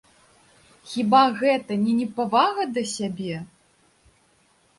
Хіба гэта не непавага да сябе?